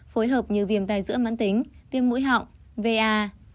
phối hợp như viêm tay giữa mãn tính viêm mũi hậu va